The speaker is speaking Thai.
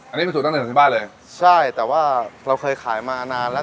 อันนี้เป็นสูตรดั้งเดิมที่บ้านเลยใช่แต่ว่าเราเคยขายมานานแล้ว